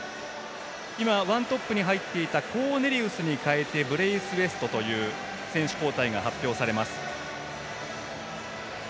ワントップに入っていたコーネリウスに代えてブレイスウェイトという選手交代が発表されます。